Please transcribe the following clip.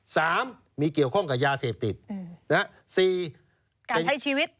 สามมีเกี่ยวข้องกับยาเสพติดอืมนะฮะสี่การใช้ชีวิต